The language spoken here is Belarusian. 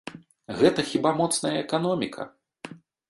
Гэта хіба моцная эканоміка?